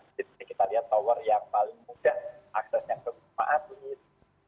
jadi kita lihat tower yang paling mudah aksesnya ke wisma atlet